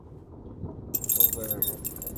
موږ باید امنیت تامین کړو.